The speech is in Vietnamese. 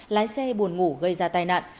lái xe buồn ngủ gây ra tai nạn